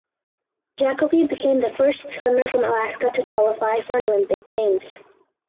Jacoby became the first swimmer from Alaska to qualify for an Olympic Games.